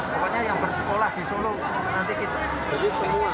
pokoknya yang bersekolah di solo nanti